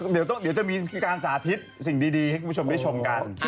เดี๋ยวจะมีการสาธิตสิ่งดีให้คุณผู้ชมได้ชมกัน